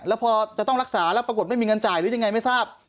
แล้วพอจะต้องรักษาแล้วปรากฏไม่มีเงินจ่ายหรือยังไงไม่ทราบ